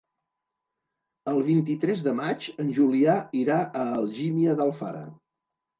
El vint-i-tres de maig en Julià irà a Algímia d'Alfara.